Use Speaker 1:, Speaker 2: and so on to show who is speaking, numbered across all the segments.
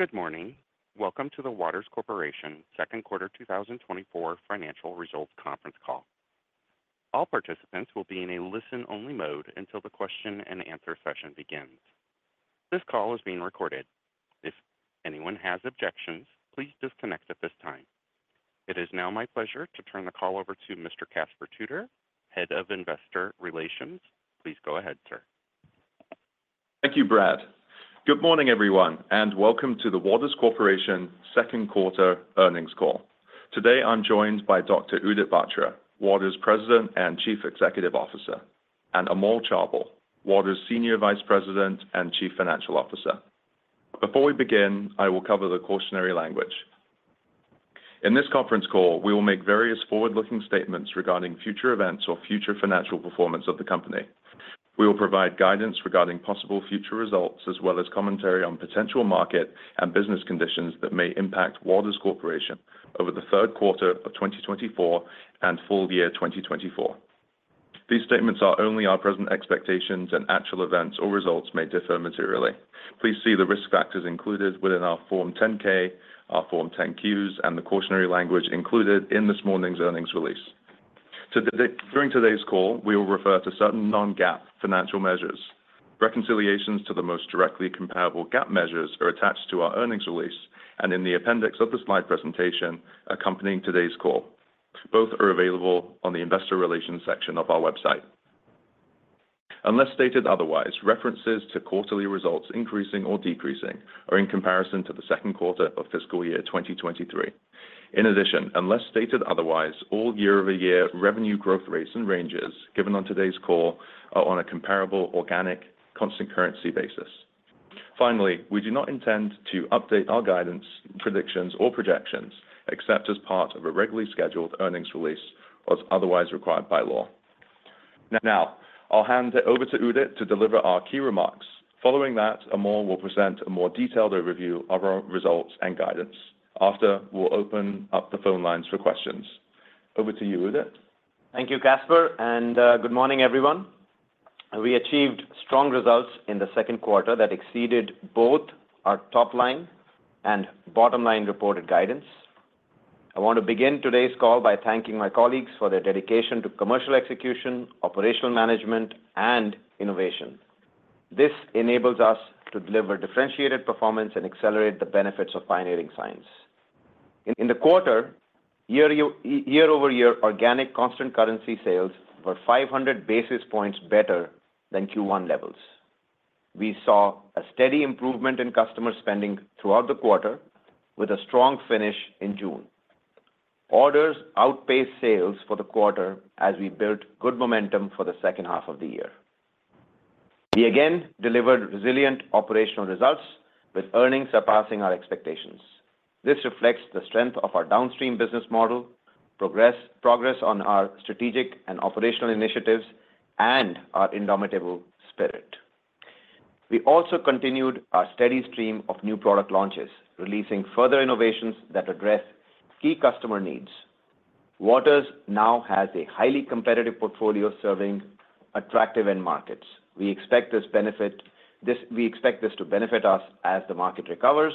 Speaker 1: Good morning. Welcome to the Waters Corporation Second Quarter 2024 Financial Results Conference Call. All participants will be in a listen-only mode until the question-and-answer session begins. This call is being recorded. If anyone has objections, please disconnect at this time. It is now my pleasure to turn the call over to Mr. Caspar Tudor, Head of Investor Relations. Please go ahead, sir.
Speaker 2: Thank you, Brad. Good morning, everyone, and welcome to the Waters Corporation Second Quarter Earnings Call. Today, I'm joined by Dr. Udit Batra, Waters President and Chief Executive Officer, and Amol Chaubal, Waters Senior Vice President and Chief Financial Officer. Before we begin, I will cover the cautionary language. In this conference call, we will make various forward-looking statements regarding future events or future financial performance of the company. We will provide guidance regarding possible future results as well as commentary on potential market and business conditions that may impact Waters Corporation over the third quarter of 2024 and full year 2024. These statements are only our present expectations, and actual events or results may differ materially. Please see the risk factors included within our Form 10-K, our Form 10-Qs, and the cautionary language included in this morning's earnings release. During today's call, we will refer to certain non-GAAP financial measures. Reconciliations to the most directly comparable GAAP measures are attached to our earnings release and in the appendix of the slide presentation accompanying today's call. Both are available on the Investor Relations section of our website. Unless stated otherwise, references to quarterly results increasing or decreasing are in comparison to the second quarter of fiscal year 2023. In addition, unless stated otherwise, all year-over-year revenue growth rates and ranges given on today's call are on a comparable organic constant currency basis. Finally, we do not intend to update our guidance, predictions, or projections except as part of a regularly scheduled earnings release as otherwise required by law. Now, I'll hand it over to Udit to deliver our key remarks. Following that, Amol will present a more detailed overview of our results and guidance. After, we'll open up the phone lines for questions. Over to you, Udit.
Speaker 3: Thank you, Caspar, and good morning, everyone. We achieved strong results in the second quarter that exceeded both our top-line and bottom-line reported guidance. I want to begin today's call by thanking my colleagues for their dedication to commercial execution, operational management, and innovation. This enables us to deliver differentiated performance and accelerate the benefits of pioneering science. In the quarter, year-over-year organic constant currency sales were 500 basis points better than Q1 levels. We saw a steady improvement in customer spending throughout the quarter, with a strong finish in June. Orders outpaced sales for the quarter as we built good momentum for the second half of the year. We again delivered resilient operational results with earnings surpassing our expectations. This reflects the strength of our downstream business model, progress on our strategic and operational initiatives, and our indomitable spirit. We also continued our steady stream of new product launches, releasing further innovations that address key customer needs. Waters now has a highly competitive portfolio serving attractive end markets. We expect this to benefit us as the market recovers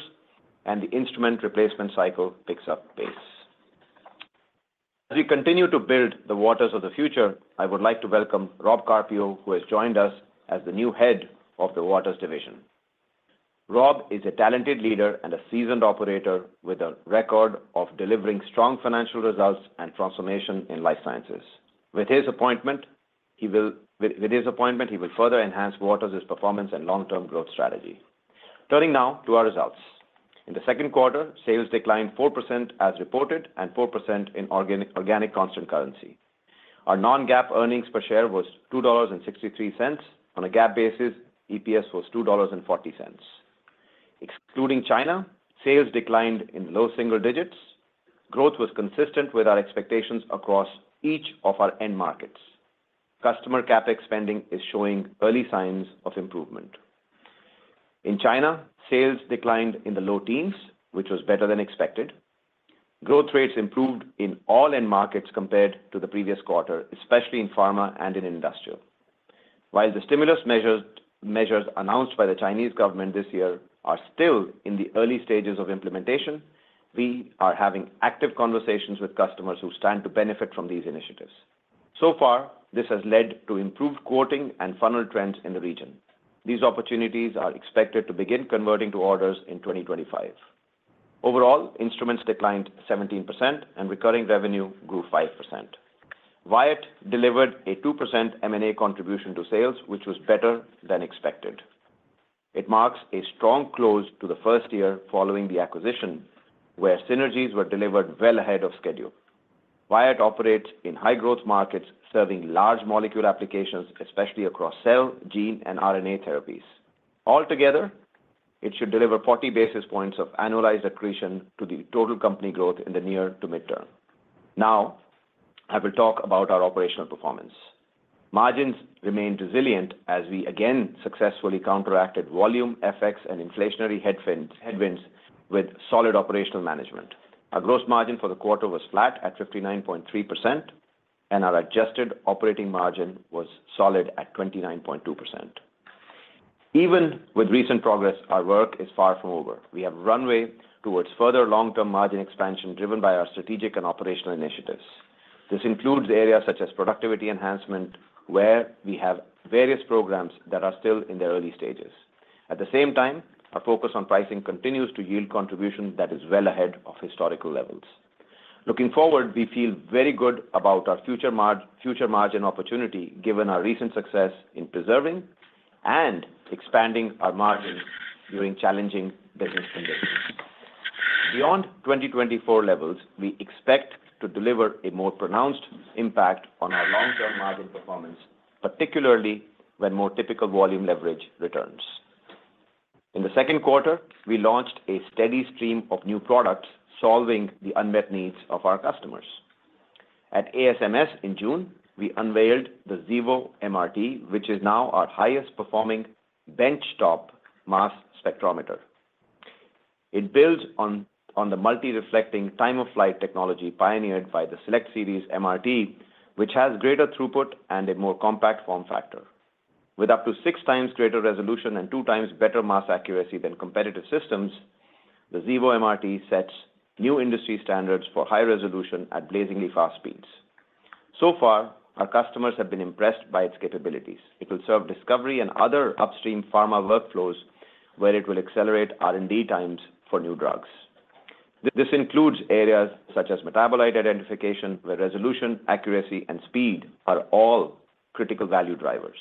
Speaker 3: and the instrument replacement cycle picks up pace. As we continue to build the Waters of the Future, I would like to welcome Rob Carpio, who has joined us as the new head of the Waters Division. Rob is a talented leader and a seasoned operator with a record of delivering strong financial results and transformation in life sciences. With his appointment, he will further enhance Waters' performance and long-term growth strategy. Turning now to our results. In the second quarter, sales declined 4% as reported and 4% in organic constant currency. Our non-GAAP earnings per share was $2.63. On a GAAP basis, EPS was $2.40. Excluding China, sales declined in low single digits. Growth was consistent with our expectations across each of our end markets. Customer CapEx spending is showing early signs of improvement. In China, sales declined in the low teens, which was better than expected. Growth rates improved in all end markets compared to the previous quarter, especially in pharma and in industrial. While the stimulus measures announced by the Chinese government this year are still in the early stages of implementation, we are having active conversations with customers who stand to benefit from these initiatives. So far, this has led to improved quoting and funnel trends in the region. These opportunities are expected to begin converting to orders in 2025. Overall, instruments declined 17%, and recurring revenue grew 5%. Wyatt delivered a 2% M&A contribution to sales, which was better than expected. It marks a strong close to the first year following the acquisition, where synergies were delivered well ahead of schedule. Wyatt operates in high-growth markets serving large molecule applications, especially across cell, gene, and RNA therapies. Altogether, it should deliver 40 basis points of annualized accretion to the total company growth in the near to midterm. Now, I will talk about our operational performance. Margins remain resilient as we again successfully counteracted volume effects and inflationary headwinds with solid operational management. Our gross margin for the quarter was flat at 59.3%, and our adjusted operating margin was solid at 29.2%. Even with recent progress, our work is far from over. We have a runway towards further long-term margin expansion driven by our strategic and operational initiatives. This includes areas such as productivity enhancement, where we have various programs that are still in the early stages. At the same time, our focus on pricing continues to yield contribution that is well ahead of historical levels. Looking forward, we feel very good about our future margin opportunity given our recent success in preserving and expanding our margins during challenging business conditions. Beyond 2024 levels, we expect to deliver a more pronounced impact on our long-term margin performance, particularly when more typical volume leverage returns. In the second quarter, we launched a steady stream of new products solving the unmet needs of our customers. At ASMS in June, we unveiled the Xevo MRT, which is now our highest-performing benchtop mass spectrometer. It builds on the multi-reflecting time-of-flight technology pioneered by the SELECT SERIES MRT, which has greater throughput and a more compact form factor. With up to six times greater resolution and two times better mass accuracy than competitive systems, the Xevo MRT sets new industry standards for high resolution at blazingly fast speeds. So far, our customers have been impressed by its capabilities. It will serve discovery and other upstream pharma workflows, where it will accelerate R&D times for new drugs. This includes areas such as metabolite identification, where resolution, accuracy, and speed are all critical value drivers.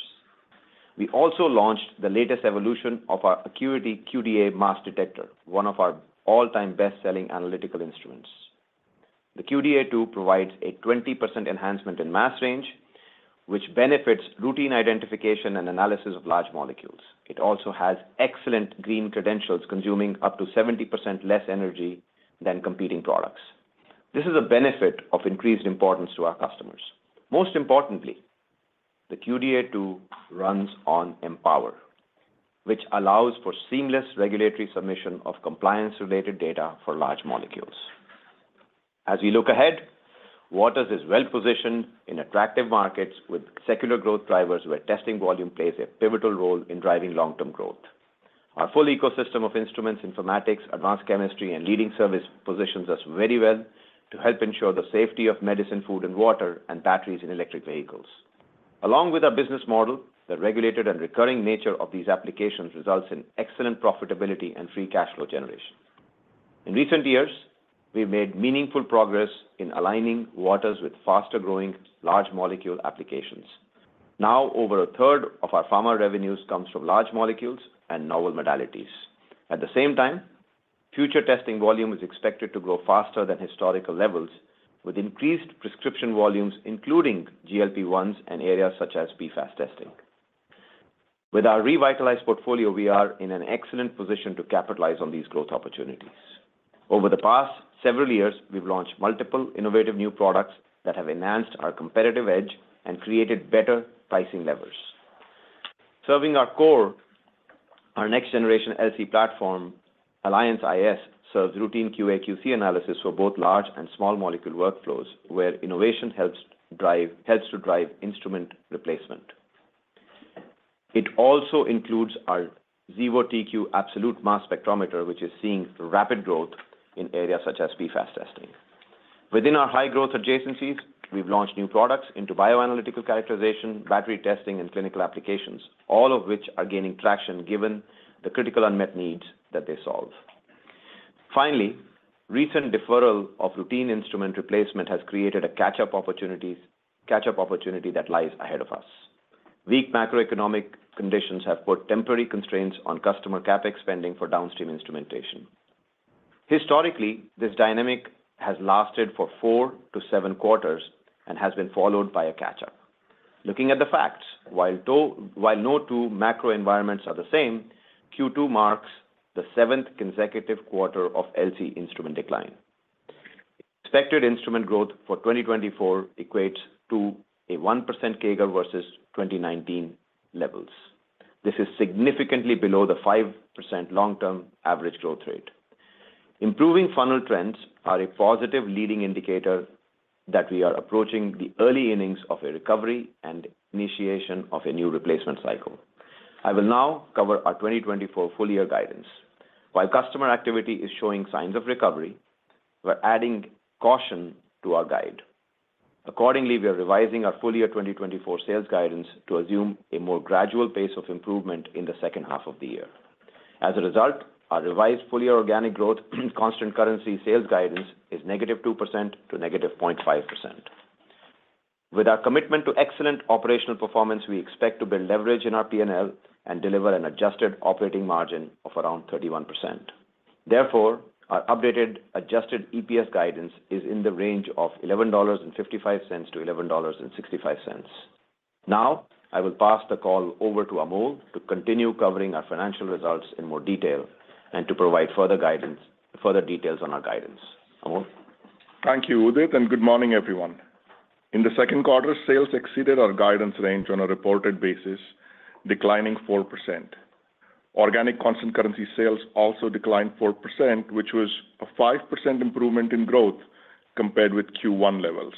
Speaker 3: We also launched the latest evolution of our ACQUITY QDa II mass detector, one of our all-time best-selling analytical instruments. The QDa II provides a 20% enhancement in mass range, which benefits routine identification and analysis of large molecules. It also has excellent green credentials, consuming up to 70% less energy than competing products. This is a benefit of increased importance to our customers. Most importantly, the QDa II runs on Empower, which allows for seamless regulatory submission of compliance-related data for large molecules. As we look ahead, Waters is well positioned in attractive markets with secular growth drivers, where testing volume plays a pivotal role in driving long-term growth. Our full ecosystem of instruments, informatics, advanced chemistry, and leading service positions us very well to help ensure the safety of medicine, food, and water and batteries in electric vehicles. Along with our business model, the regulated and recurring nature of these applications results in excellent profitability and free cash flow generation. In recent years, we've made meaningful progress in aligning Waters with faster-growing large molecule applications. Now, over a third of our pharma revenues comes from large molecules and novel modalities. At the same time, future testing volume is expected to grow faster than historical levels, with increased prescription volumes, including GLP-1s and areas such as PFAS testing. With our revitalized portfolio, we are in an excellent position to capitalize on these growth opportunities. Over the past several years, we've launched multiple innovative new products that have enhanced our competitive edge and created better pricing levers. Serving our core, our next-generation LC platform, Alliance iS, serves routine QA/QC analysis for both large and small molecule workflows, where innovation helps to drive instrument replacement. It also includes our Xevo TQ Absolute mass spectrometer, which is seeing rapid growth in areas such as PFAS testing. Within our high-growth adjacencies, we've launched new products into bioanalytical characterization, battery testing, and clinical applications, all of which are gaining traction given the critical unmet needs that they solve. Finally, recent deferral of routine instrument replacement has created a catch-up opportunity that lies ahead of us. Weak macroeconomic conditions have put temporary constraints on customer CapEx spending for downstream instrumentation. Historically, this dynamic has lasted for 4-7 quarters and has been followed by a catch-up. Looking at the facts, while no two macro environments are the same, Q2 marks the seventh consecutive quarter of LC instrument decline. Expected instrument growth for 2024 equates to a 1% CAGR versus 2019 levels. This is significantly below the 5% long-term average growth rate. Improving funnel trends are a positive leading indicator that we are approaching the early innings of a recovery and initiation of a new replacement cycle. I will now cover our 2024 full-year guidance. While customer activity is showing signs of recovery, we're adding caution to our guide. Accordingly, we are revising our full-year 2024 sales guidance to assume a more gradual pace of improvement in the second half of the year. As a result, our revised full-year organic growth constant currency sales guidance is -2% to -0.5%. With our commitment to excellent operational performance, we expect to build leverage in our P&L and deliver an adjusted operating margin of around 31%. Therefore, our updated adjusted EPS guidance is in the range of $11.55-$11.65. Now, I will pass the call over to Amol to continue covering our financial results in more detail and to provide further details on our guidance. Amol.
Speaker 4: Thank you, Udit, and good morning, everyone. In the second quarter, sales exceeded our guidance range on a reported basis, declining 4%. Organic constant currency sales also declined 4%, which was a 5% improvement in growth compared with Q1 levels.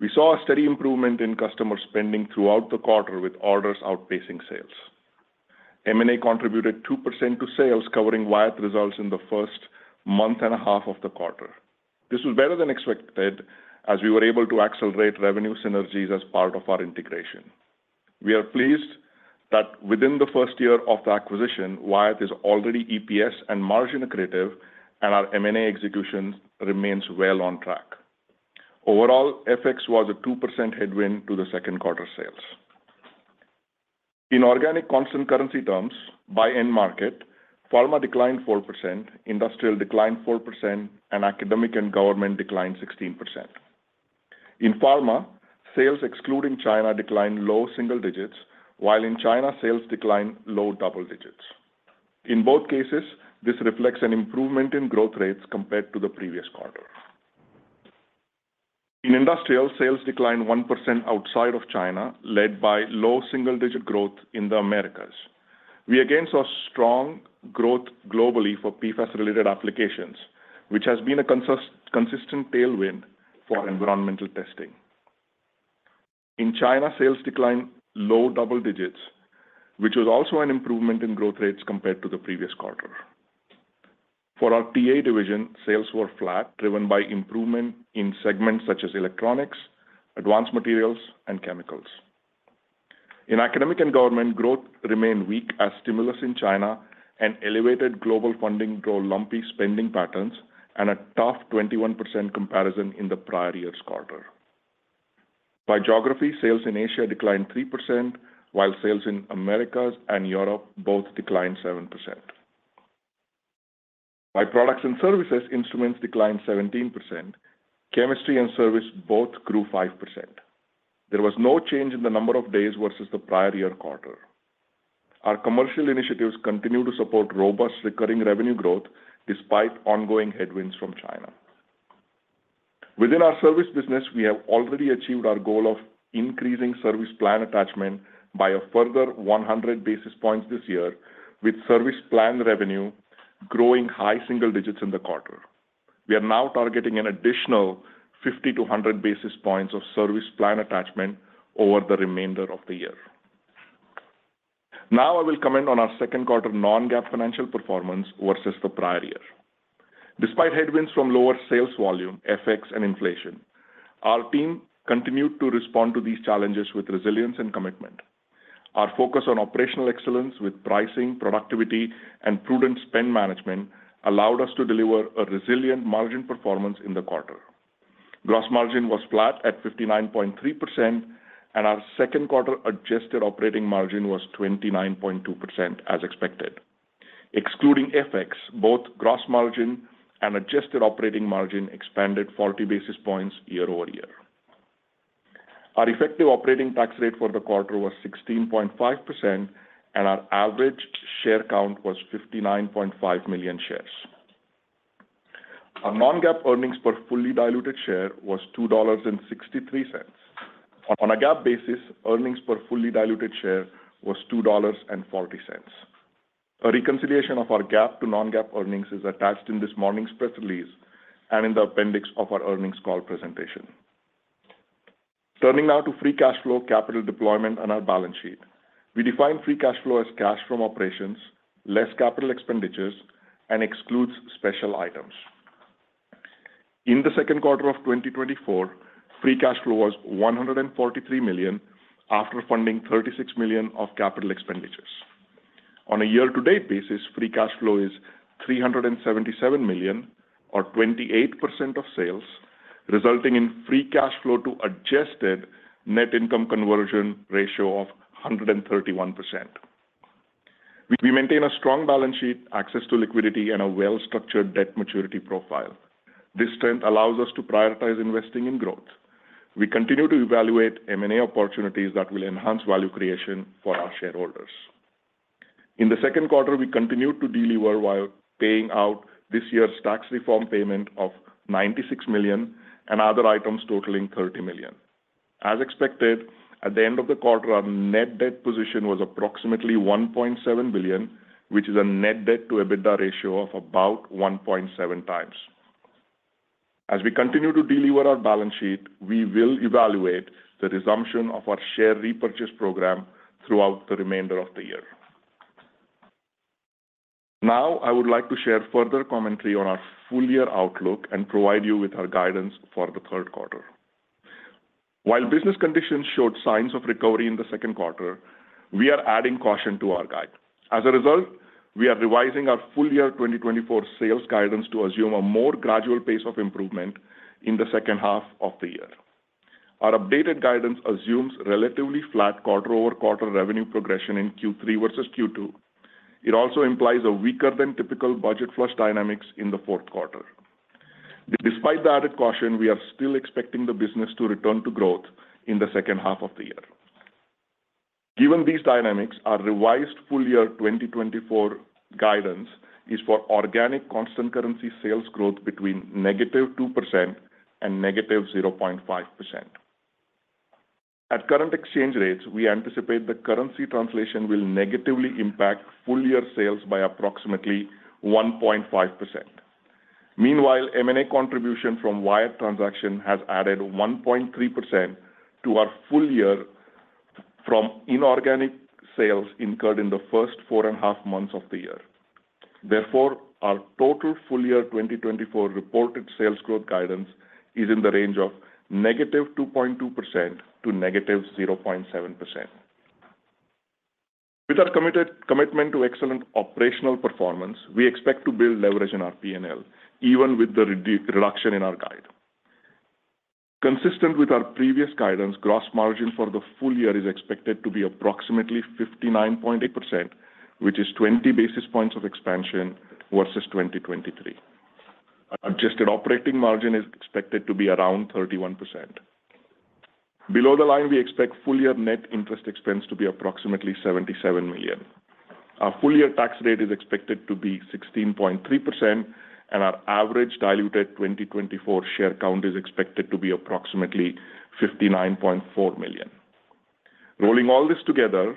Speaker 4: We saw a steady improvement in customer spending throughout the quarter, with orders outpacing sales. M&A contributed 2% to sales, covering Wyatt results in the first month and a half of the quarter. This was better than expected, as we were able to accelerate revenue synergies as part of our integration. We are pleased that within the first year of the acquisition, Wyatt is already EPS and margin accretive, and our M&A execution remains well on track. Overall, FX was a 2% headwind to the second quarter sales. In organic constant currency terms, by end market, pharma declined 4%, industrial declined 4%, and academic and government declined 16%. In pharma, sales excluding China declined low single digits, while in China, sales declined low double digits. In both cases, this reflects an improvement in growth rates compared to the previous quarter. In industrial, sales declined 1% outside of China, led by low single-digit growth in the Americas. We again saw strong growth globally for PFAS-related applications, which has been a consistent tailwind for environmental testing. In China, sales declined low double digits, which was also an improvement in growth rates compared to the previous quarter. For our TA division, sales were flat, driven by improvement in segments such as electronics, advanced materials, and chemicals. In academic and government, growth remained weak as stimulus in China and elevated global funding drove lumpy spending patterns and a tough 21% comparison in the prior year's quarter. By geography, sales in Asia declined 3%, while sales in Americas and Europe both declined 7%. By products and services, instruments declined 17%. Chemistry and service both grew 5%. There was no change in the number of days versus the prior year quarter. Our commercial initiatives continue to support robust recurring revenue growth despite ongoing headwinds from China. Within our service business, we have already achieved our goal of increasing service plan attachment by a further 100 basis points this year, with service plan revenue growing high single digits in the quarter. We are now targeting an additional 50-100 basis points of service plan attachment over the remainder of the year. Now, I will comment on our second quarter non-GAAP financial performance versus the prior year. Despite headwinds from lower sales volume, FX, and inflation, our team continued to respond to these challenges with resilience and commitment. Our focus on operational excellence with pricing, productivity, and prudent spend management allowed us to deliver a resilient margin performance in the quarter. Gross margin was flat at 59.3%, and our second quarter adjusted operating margin was 29.2%, as expected. Excluding FX, both gross margin and adjusted operating margin expanded 40 basis points year-over-year. Our effective operating tax rate for the quarter was 16.5%, and our average share count was 59.5 million shares. Our non-GAAP earnings per fully diluted share was $2.63. On a GAAP basis, earnings per fully diluted share was $2.40. A reconciliation of our GAAP to non-GAAP earnings is attached in this morning's press release and in the appendix of our earnings call presentation. Turning now to free cash flow, capital deployment, and our balance sheet. We define free cash flow as cash from operations, less capital expenditures, and excludes special items. In the second quarter of 2024, free cash flow was $143 million after funding $36 million of capital expenditures. On a year-to-date basis, free cash flow is $377 million, or 28% of sales, resulting in free cash flow to adjusted net income conversion ratio of 131%. We maintain a strong balance sheet, access to liquidity, and a well-structured debt maturity profile. This strength allows us to prioritize investing in growth. We continue to evaluate M&A opportunities that will enhance value creation for our shareholders. In the second quarter, we continued to deliver while paying out this year's tax reform payment of $96 million and other items totaling $30 million. As expected, at the end of the quarter, our net debt position was approximately $1.7 billion, which is a net debt-to-EBITDA ratio of about 1.7 times. As we continue to deliver our balance sheet, we will evaluate the resumption of our share repurchase program throughout the remainder of the year. Now, I would like to share further commentary on our full-year outlook and provide you with our guidance for the third quarter. While business conditions showed signs of recovery in the second quarter, we are adding caution to our guide. As a result, we are revising our full-year 2024 sales guidance to assume a more gradual pace of improvement in the second half of the year. Our updated guidance assumes relatively flat quarter-over-quarter revenue progression in Q3 versus Q2. It also implies a weaker-than-typical budget flush dynamics in the fourth quarter. Despite the added caution, we are still expecting the business to return to growth in the second half of the year. Given these dynamics, our revised full-year 2024 guidance is for organic constant currency sales growth between -2% and -0.5%. At current exchange rates, we anticipate the currency translation will negatively impact full-year sales by approximately 1.5%. Meanwhile, M&A contribution from Wyatt transaction has added 1.3% to our full-year from inorganic sales incurred in the first four and a half months of the year. Therefore, our total full-year 2024 reported sales growth guidance is in the range of -2.2% to -0.7%. With our commitment to excellent operational performance, we expect to build leverage in our P&L, even with the reduction in our guide. Consistent with our previous guidance, gross margin for the full year is expected to be approximately 59.8%, which is 20 basis points of expansion versus 2023. Adjusted operating margin is expected to be around 31%. Below the line, we expect full-year net interest expense to be approximately $77 million. Our full-year tax rate is expected to be 16.3%, and our average diluted 2024 share count is expected to be approximately 59.4 million. Rolling all this together,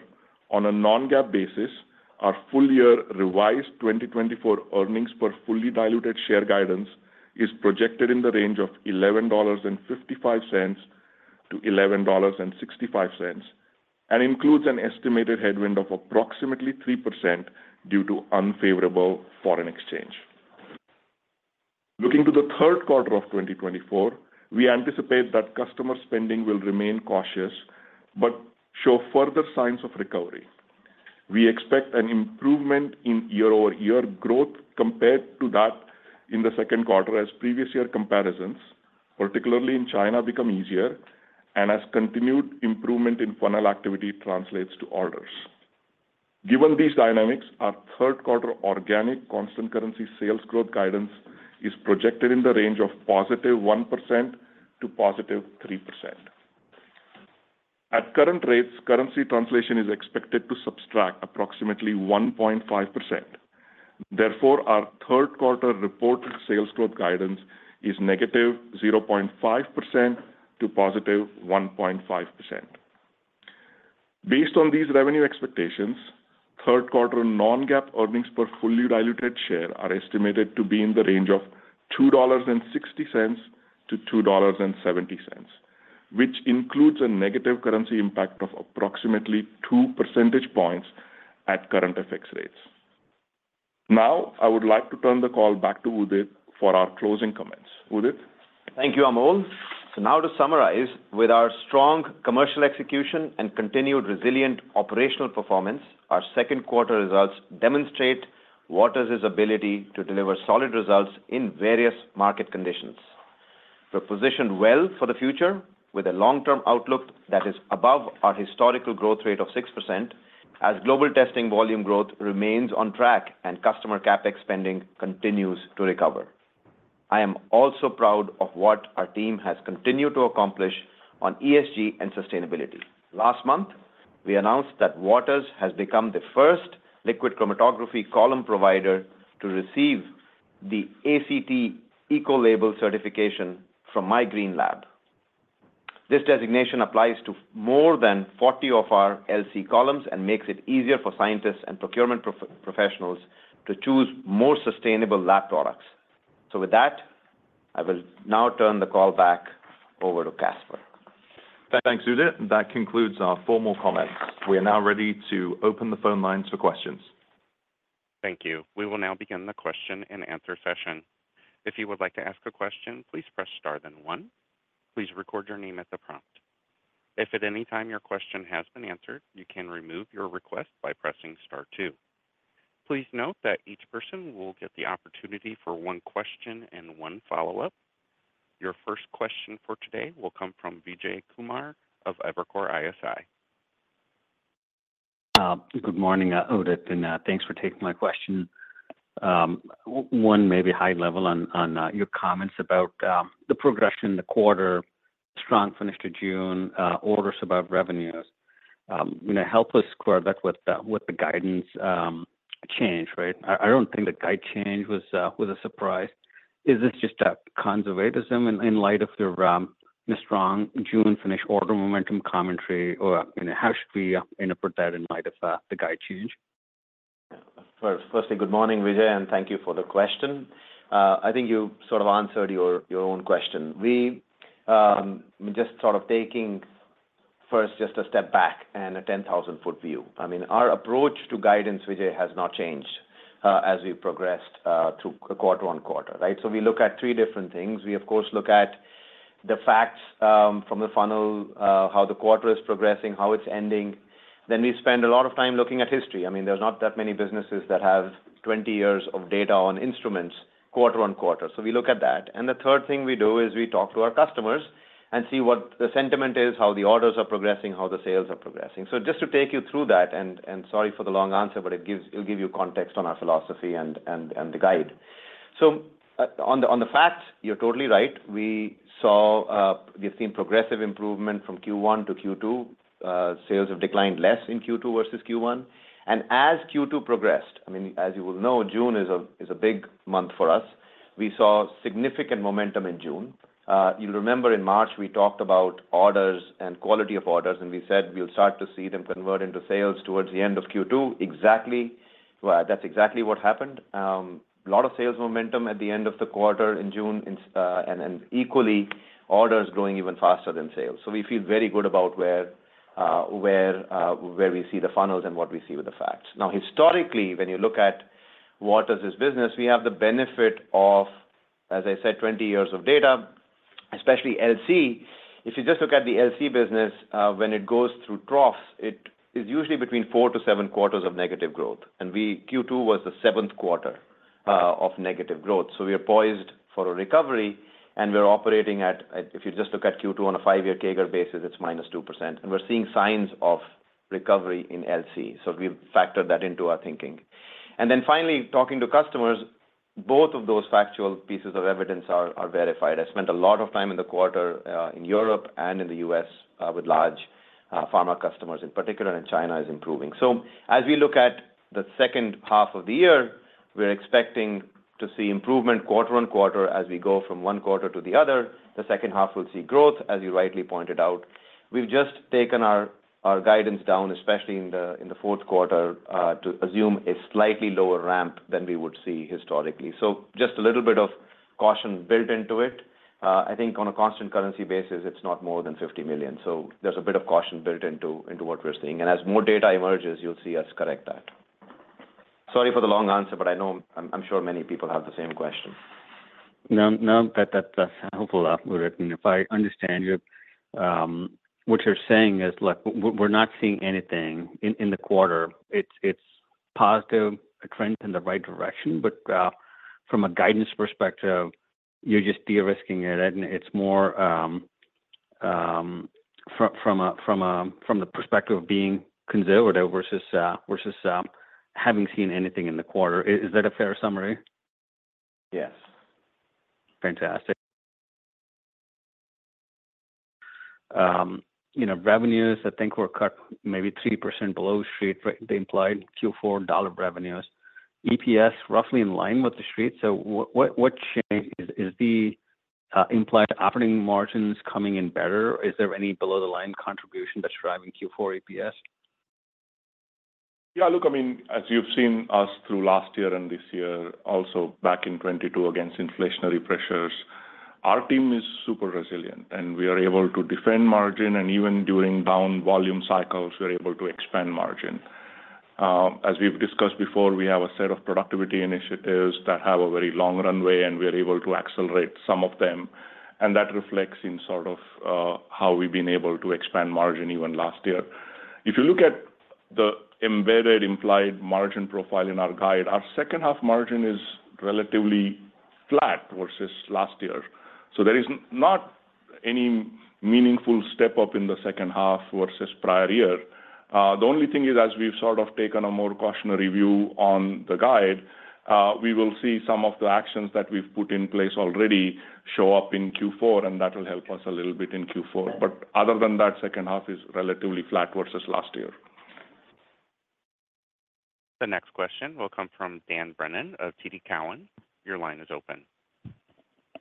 Speaker 4: on a non-GAAP basis, our full-year revised 2024 earnings per fully diluted share guidance is projected in the range of $11.55-$11.65 and includes an estimated headwind of approximately 3% due to unfavorable foreign exchange. Looking to the third quarter of 2024, we anticipate that customer spending will remain cautious but show further signs of recovery. We expect an improvement in year-over-year growth compared to that in the second quarter, as previous year comparisons, particularly in China, become easier and as continued improvement in funnel activity translates to orders. Given these dynamics, our third quarter organic constant currency sales growth guidance is projected in the range of +1% to +3%. At current rates, currency translation is expected to subtract approximately 1.5%. Therefore, our third quarter reported sales growth guidance is -0.5% to +1.5%. Based on these revenue expectations, third quarter non-GAAP earnings per fully diluted share are estimated to be in the range of $2.60-$2.70, which includes a negative currency impact of approximately 2 percentage points at current FX rates. Now, I would like to turn the call back to Udit for our closing comments. Udit.
Speaker 3: Thank you, Amol. So now, to summarize, with our strong commercial execution and continued resilient operational performance, our second quarter results demonstrate Waters' ability to deliver solid results in various market conditions. We're positioned well for the future with a long-term outlook that is above our historical growth rate of 6%, as global testing volume growth remains on track and customer CapEx spending continues to recover. I am also proud of what our team has continued to accomplish on ESG and sustainability. Last month, we announced that Waters has become the first liquid chromatography column provider to receive the ACT Ecolabel certification from My Green Lab. This designation applies to more than 40 of our LC columns and makes it easier for scientists and procurement professionals to choose more sustainable lab products. So with that, I will now turn the call back over to Caspar.
Speaker 2: Thanks, Udit. That concludes our formal comments. We are now ready to open the phone lines for questions.
Speaker 1: Thank you. We will now begin the question-and-answer session. If you would like to ask a question, please press star then one. Please record your name at the prompt. If at any time your question has been answered, you can remove your request by pressing star two. Please note that each person will get the opportunity for one question and one follow-up. Your first question for today will come from Vijay Kumar of Evercore ISI.
Speaker 5: Good morning, Udit, and thanks for taking my question. One, maybe high level on your comments about the progression in the quarter, strong finish to June, orders above revenues. Help us square that with the guidance change. I don't think the guide change was a surprise. Is this just conservatism in light of the strong June finish order momentum commentary, or how should we interpret that in light of the guide change?
Speaker 3: Firstly, good morning, Vijay, and thank you for the question. I think you sort of answered your own question. We're just sort of taking first just a step back and a 10,000-foot view. I mean, our approach to guidance, Vijay, has not changed as we progressed through quarter-over-quarter. So we look at three different things. We, of course, look at the facts from the funnel, how the quarter is progressing, how it's ending. Then we spend a lot of time looking at history. I mean, there's not that many businesses that have 20 years of data on instruments quarter-over-quarter. So we look at that. And the third thing we do is we talk to our customers and see what the sentiment is, how the orders are progressing, how the sales are progressing. So just to take you through that, and sorry for the long answer, but it'll give you context on our philosophy and the guide. So on the facts, you're totally right. We've seen progressive improvement from Q1 to Q2. Sales have declined less in Q2 versus Q1. And as Q2 progressed, I mean, as you will know, June is a big month for us. We saw significant momentum in June. You'll remember in March, we talked about orders and quality of orders, and we said we'll start to see them convert into sales towards the end of Q2. That's exactly what happened. A lot of sales momentum at the end of the quarter in June, and equally, orders growing even faster than sales. So we feel very good about where we see the funnels and what we see with the facts. Now, historically, when you look at Waters' business, we have the benefit of, as I said, 20 years of data, especially LC. If you just look at the LC business, when it goes through troughs, it is usually between 4-7 quarters of negative growth. And Q2 was the seventh quarter of negative growth. So we are poised for a recovery, and we're operating at, if you just look at Q2 on a 5-year CAGR basis, it's -2%. And we're seeing signs of recovery in LC. So we've factored that into our thinking. And then finally, talking to customers, both of those factual pieces of evidence are verified. I spent a lot of time in the quarter in Europe and in the U.S. with large pharma customers, in particular, and China is improving. So as we look at the second half of the year, we're expecting to see improvement quarter-over-quarter as we go from one quarter to the other. The second half will see growth, as you rightly pointed out. We've just taken our guidance down, especially in the fourth quarter, to assume a slightly lower ramp than we would see historically. So just a little bit of caution built into it. I think on a constant currency basis, it's not more than $50 million. So there's a bit of caution built into what we're seeing. And as more data emerges, you'll see us correct that. Sorry for the long answer, but I'm sure many people have the same question.
Speaker 5: No, that's helpful, Udit. And if I understand you, what you're saying is we're not seeing anything in the quarter. It's positive, a trend in the right direction. But from a guidance perspective, you're just de-risking it. And it's more from the perspective of being conservative versus having seen anything in the quarter. Is that a fair summary?
Speaker 3: Yes.
Speaker 5: Fantastic. Revenues, I think we're cut maybe 3% below street implied Q4 dollar revenues. EPS roughly in line with the street. So what change is the implied operating margins coming in better? Is there any below-the-line contribution that's driving Q4 EPS?
Speaker 4: Yeah. Look, I mean, as you've seen us through last year and this year, also back in 2022 against inflationary pressures, our team is super resilient, and we are able to defend margin. Even during down volume cycles, we're able to expand margin. As we've discussed before, we have a set of productivity initiatives that have a very long runway, and we are able to accelerate some of them. That reflects in sort of how we've been able to expand margin even last year. If you look at the embedded implied margin profile in our guide, our second half margin is relatively flat versus last year. There is not any meaningful step up in the second half versus prior year. The only thing is, as we've sort of taken a more cautionary view on the guide, we will see some of the actions that we've put in place already show up in Q4, and that will help us a little bit in Q4. But other than that, second half is relatively flat versus last year.
Speaker 1: The next question will come from Dan Brennan of TD Cowen. Your line is open.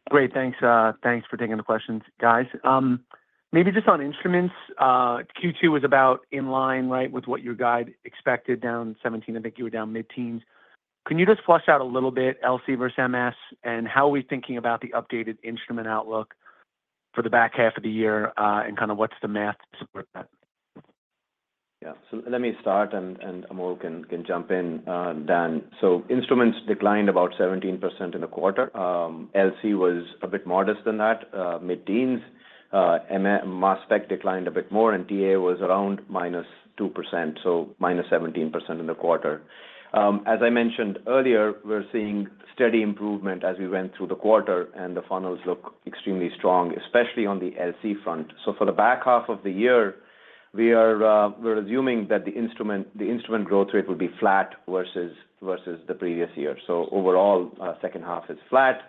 Speaker 6: Great. Thanks for taking the questions, guys. Maybe just on instruments, Q2 was about in line with what your guide expected down 17%. I think you were down mid-teens. Can you just flesh out a little bit LC versus MS, and how are we thinking about the updated instrument outlook for the back half of the year, and kind of what's the math to support that?
Speaker 3: Yeah. So let me start, and Amol can jump in, Dan. So instruments declined about 17% in the quarter. LC was a bit modest than that. Mid-teens, MS Spec declined a bit more, and TA was around -2%, so -17% in the quarter. As I mentioned earlier, we're seeing steady improvement as we went through the quarter, and the funnels look extremely strong, especially on the LC front. So for the back half of the year, we're assuming that the instrument growth rate will be flat versus the previous year. So overall, second half is flat.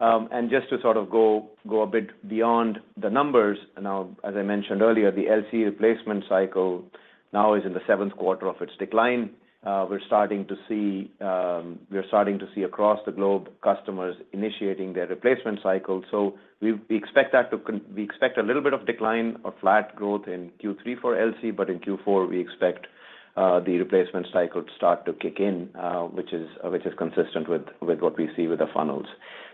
Speaker 3: And just to sort of go a bit beyond the numbers, now, as I mentioned earlier, the LC replacement cycle now is in the seventh quarter of its decline. We're starting to see across the globe customers initiating their replacement cycle. So we expect a little bit of decline or flat growth in Q3 for LC, but in Q4, we expect the replacement cycle to start to kick in, which is consistent with what we see with the funnels.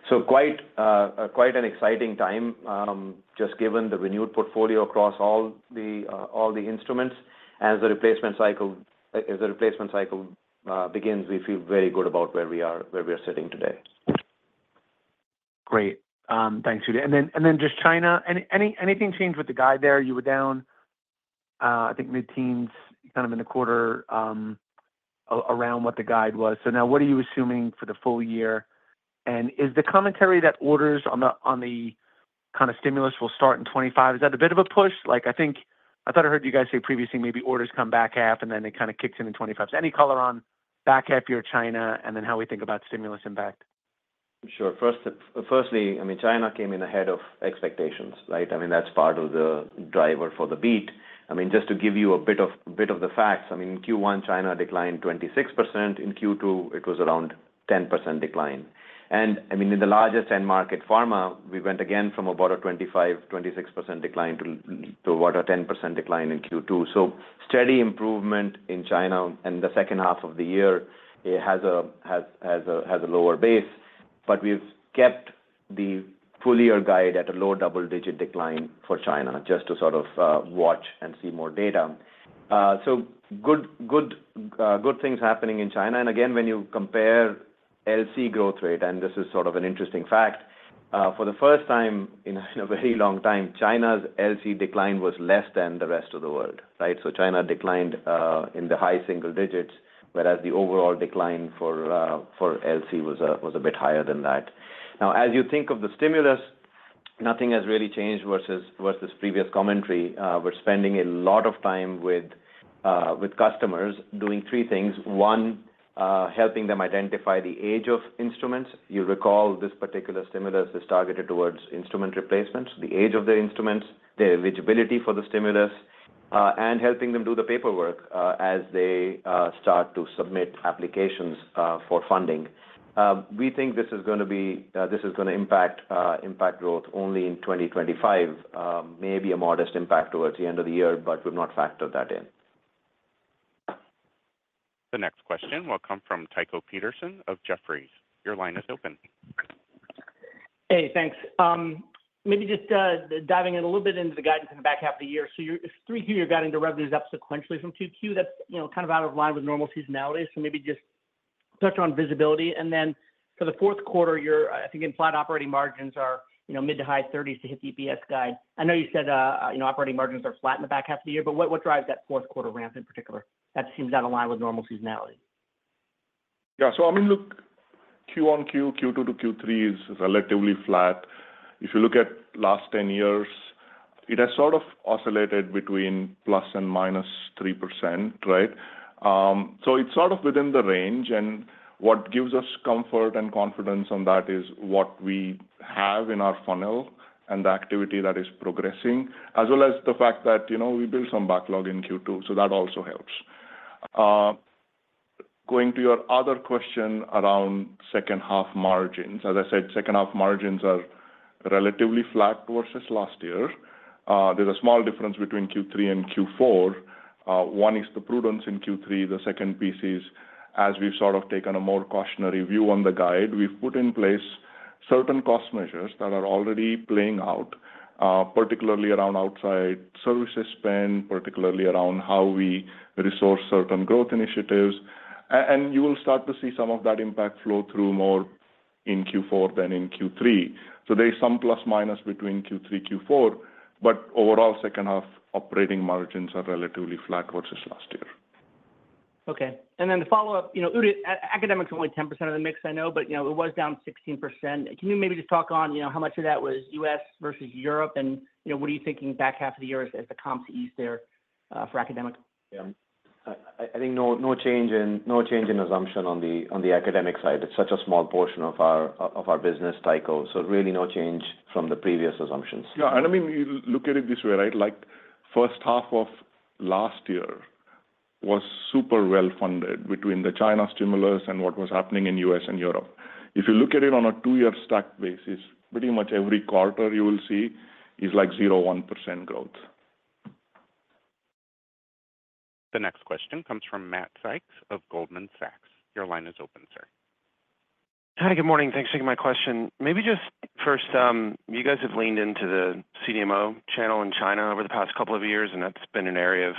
Speaker 3: So quite an exciting time, just given the renewed portfolio across all the instruments. As the replacement cycle begins, we feel very good about where we are sitting today.
Speaker 6: Great. Thanks, Udit. And then just China, anything change with the guide there? You were down, I think, mid-teens kind of in the quarter around what the guide was. So now, what are you assuming for the full year? And is the commentary that orders on the kind of stimulus will start in 2025, is that a bit of a push? I thought I heard you guys say previously maybe orders come back half, and then it kind of kicks in in 2025. So any color on back half year China and then how we think about stimulus impact?
Speaker 3: Sure. Firstly, I mean, China came in ahead of expectations. I mean, that's part of the driver for the beat. I mean, just to give you a bit of the facts, I mean, in Q1, China declined 26%. In Q2, it was around 10% decline. And I mean, in the largest end market pharma, we went again from about a 25%-26% decline to about a 10% decline in Q2. So steady improvement in China in the second half of the year has a lower base. But we've kept the full year guide at a low double-digit decline for China just to sort of watch and see more data. So good things happening in China. And again, when you compare LC growth rate, and this is sort of an interesting fact, for the first time in a very long time, China's LC decline was less than the rest of the world. So China declined in the high single digits, whereas the overall decline for LC was a bit higher than that. Now, as you think of the stimulus, nothing has really changed versus this previous commentary. We're spending a lot of time with customers doing three things. One, helping them identify the age of instruments. You'll recall this particular stimulus is targeted towards instrument replacements, the age of their instruments, their eligibility for the stimulus, and helping them do the paperwork as they start to submit applications for funding. We think this is going to impact growth only in 2025, maybe a modest impact towards the end of the year, but we've not factored that in.
Speaker 1: The next question will come from Tycho Peterson of Jefferies. Your line is open.
Speaker 7: Hey, thanks. Maybe just diving in a little bit into the guidance in the back half of the year. So your third quarter guidance to revenues up sequentially from Q2. That's kind of out of line with normal seasonality. So maybe just touch on visibility. And then for the fourth quarter, I think if flat operating margins are mid- to high-30s to hit the EPS guide. I know you said operating margins are flat in the back half of the year, but what drives that fourth quarter ramp in particular that seems out of line with normal seasonality?
Speaker 4: Yeah. So I mean, look, Q1, Q2, Q2 to Q3 is relatively flat. If you look at last 10 years, it has sort of oscillated between +3% and -3%. So it's sort of within the range. And what gives us comfort and confidence on that is what we have in our funnel and the activity that is progressing, as well as the fact that we built some backlog in Q2. So that also helps. Going to your other question around second half margins, as I said, second half margins are relatively flat versus last year. There's a small difference between Q3 and Q4. One is the prudence in Q3. The second piece is, as we've sort of taken a more cautionary view on the guide, we've put in place certain cost measures that are already playing out, particularly around outside services spend, particularly around how we resource certain growth initiatives. And you will start to see some of that impact flow through more in Q4 than in Q3. So there is some plus minus between Q3, Q4. But overall, second half operating margins are relatively flat versus last year.
Speaker 7: Okay. And then the follow-up, Udit, academics are only 10% of the mix, I know, but it was down 16%. Can you maybe just talk on how much of that was U.S. versus Europe? And what are you thinking back half of the year as the comps ease there for academic?
Speaker 3: Yeah. I think no change in assumption on the academic side. It's such a small portion of our business, Tycho. So really no change from the previous assumptions.
Speaker 4: Yeah. I mean, you look at it this way, right? First half of last year was super well funded between the China stimulus and what was happening in U.S. and Europe. If you look at it on a two-year stack basis, pretty much every quarter you will see is like 0.1% growth.
Speaker 1: The next question comes from Matt Sykes of Goldman Sachs. Your line is open, sir.
Speaker 8: Hi, good morning. Thanks for taking my question. Maybe just first, you guys have leaned into the CDMO channel in China over the past couple of years, and that's been an area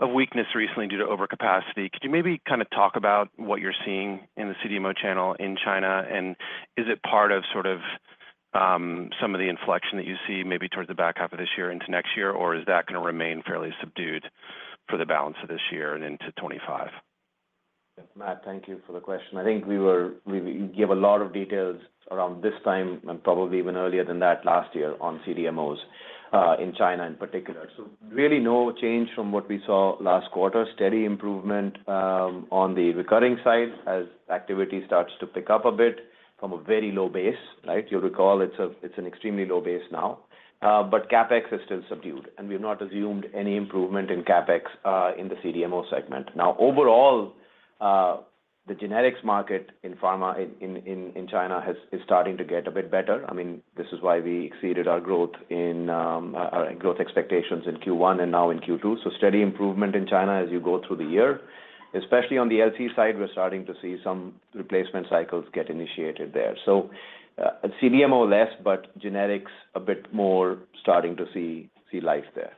Speaker 8: of weakness recently due to overcapacity. Could you maybe kind of talk about what you're seeing in the CDMO channel in China? And is it part of sort of some of the inflection that you see maybe towards the back half of this year into next year, or is that going to remain fairly subdued for the balance of this year and into 2025?
Speaker 3: Matt, thank you for the question. I think we gave a lot of details around this time and probably even earlier than that last year on CDMOs in China in particular. So really no change from what we saw last quarter. Steady improvement on the recurring side as activity starts to pick up a bit from a very low base. You'll recall it's an extremely low base now, but CapEx is still subdued. And we've not assumed any improvement in CapEx in the CDMO segment. Now, overall, the generics market in pharma in China is starting to get a bit better. I mean, this is why we exceeded our growth expectations in Q1 and now in Q2. So steady improvement in China as you go through the year. Especially on the LC side, we're starting to see some replacement cycles get initiated there. So, CDMO less, but generics a bit more, starting to see life there.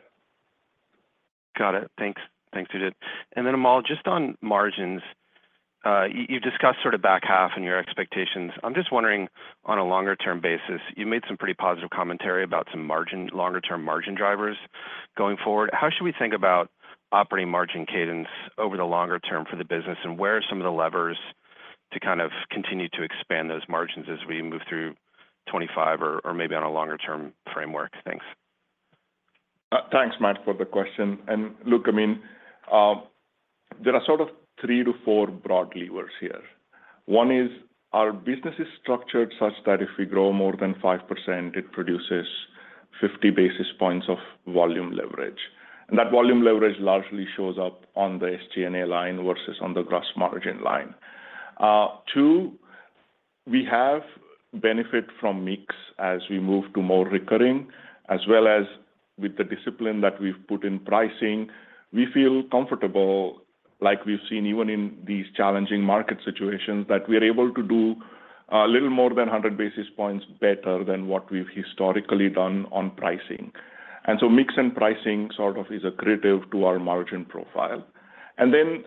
Speaker 8: Got it. Thanks, Udit. And then, Amol, just on margins, you've discussed sort of back half and your expectations. I'm just wondering, on a longer-term basis, you made some pretty positive commentary about some longer-term margin drivers going forward. How should we think about operating margin cadence over the longer term for the business, and where are some of the levers to kind of continue to expand those margins as we move through 2025 or maybe on a longer-term framework? Thanks.
Speaker 4: Thanks, Matt, for the question. And look, I mean, there are sort of 3-4 broad levers here. One is our business is structured such that if we grow more than 5%, it produces 50 basis points of volume leverage. And that volume leverage largely shows up on the SG&A line versus on the gross margin line. Two, we have benefit from mix as we move to more recurring, as well as with the discipline that we've put in pricing, we feel comfortable, like we've seen even in these challenging market situations, that we are able to do a little more than 100 basis points better than what we've historically done on pricing. And so mix and pricing sort of is a critical to our margin profile. And then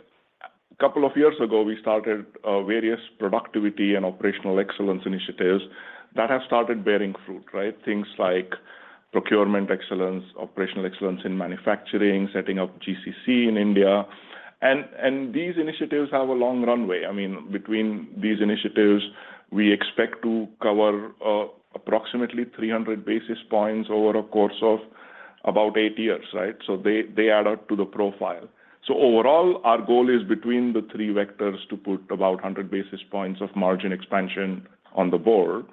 Speaker 4: a couple of years ago, we started various productivity and operational excellence initiatives that have started bearing fruit, things like procurement excellence, operational excellence in manufacturing, setting up GCC in India. And these initiatives have a long runway. I mean, between these initiatives, we expect to cover approximately 300 basis points over a course of about 8 years. So they add up to the profile. So overall, our goal is between the three vectors to put about 100 basis points of margin expansion on the board